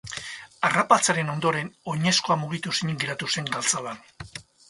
Harrapatzearen ondoren, oinezkoa mugitu ezinik geratu zen galtzadan.